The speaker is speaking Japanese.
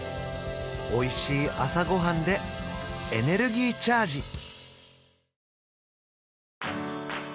おいしい朝ごはんでエネルギーチャージ